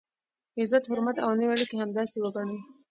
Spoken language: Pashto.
عزت، حرمت او نورې اړیکي همداسې وګڼئ.